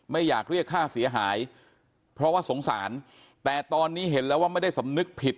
ไม่อยากเรียกค่าเสียหายเพราะว่าสงสารแต่ตอนนี้เห็นแล้วว่าไม่ได้สำนึกผิด